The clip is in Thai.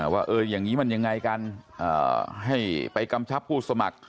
ว่าอย่างนี้มันยังไงกันให้ไปกำชับผู้สมัคร